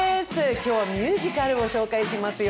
今日はミュージカルを紹介しますよ。